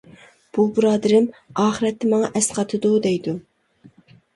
بۇ بۇرادىرىم ئاخىرەتتە ماڭا ئەسقاتىدۇ دەيدۇ.